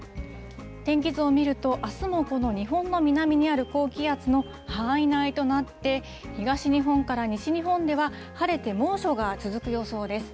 天気図を見ると、あすもこの日本の南にある高気圧の範囲内となって、東日本から西日本では、晴れて猛暑が続く予想です。